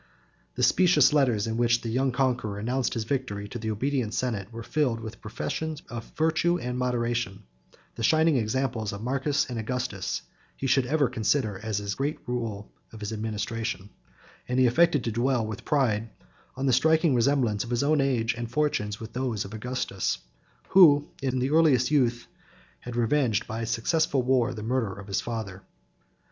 The specious letters in which the young conqueror announced his victory to the obedient senate were filled with professions of virtue and moderation; the shining examples of Marcus and Augustus, he should ever consider as the great rule of his administration; and he affected to dwell with pride on the striking resemblance of his own age and fortunes with those of Augustus, who in the earliest youth had revenged, by a successful war, the murder of his father.